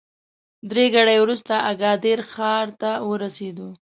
درې ګړۍ وروسته اګادیر ښار ته ورسېدو.